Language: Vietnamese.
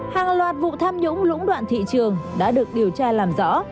hàng loạt vụ tham nhũng lũng đoạn thị trường đã được điều tra làm rõ